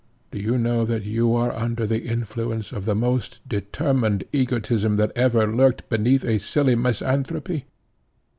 do you know that you are under the influence of the most determined egotism that ever lurked beneath a silly misanthropy?